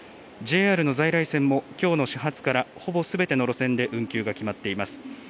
ＪＲの在来線もきょうの始発からほぼすべての路線で運休が決まっています。